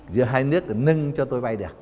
giữa hai nước nâng cho tôi bay được